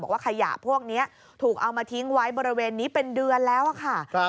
ว่าขยะพวกนี้ถูกเอามาทิ้งไว้บริเวณนี้เป็นเดือนแล้วค่ะ